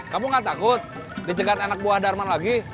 kamu gak takut dicegat anak buah darman lagi